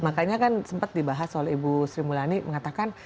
makanya kan sempat dibahas oleh ibu sri mulyani mengatakan